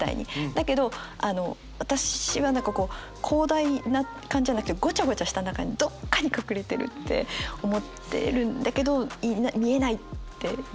だけど私は何かこう広大な感じじゃなくてごちゃごちゃした中にどっかに隠れてるって思ってるんだけどいない見えないっていう。